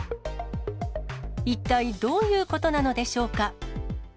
一体どういうことなのでしょうか。